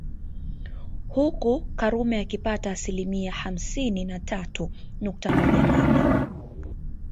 Huku Karume akipata asilimia hamsini na tatu nukta moja nane